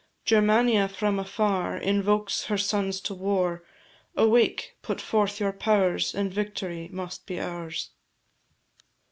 Germania from afar Invokes her sons to war; Awake! put forth your powers, And victory must be ours.